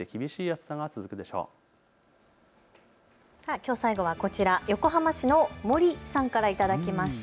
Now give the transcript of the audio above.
きょう最後はこちら、横浜市のもりさんから頂きました。